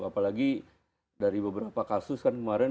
apalagi dari beberapa kasus kan kemarin